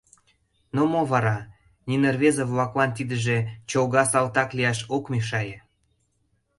Но мо вара - нине рвезе-влаклан тидыже чолга салтак лияш ок мешае!